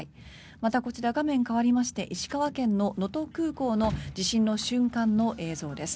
また画面変わりまして石川県の能登空港の地震の瞬間の映像です。